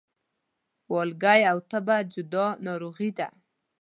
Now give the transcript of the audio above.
والګی او تبه جدا ناروغي دي